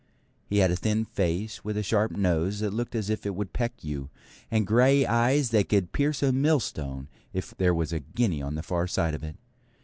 He had a thin face with a sharp nose that looked as if it would peck you, and grey eyes that could pierce a millstone if there was a guinea on the far side of it.